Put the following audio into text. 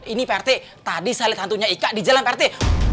ini pak rete tadi saya lihat hantunya ika di jalan pak rete